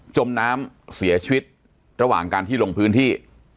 จมน้ำเสียชีวิตระหว่างการที่ลงพื้นที่